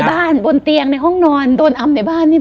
โดนอำเตียงในห้องนอนโดนอำในบ้าน